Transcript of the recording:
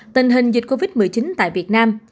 tình hình dịch covid một mươi chín tại việt nam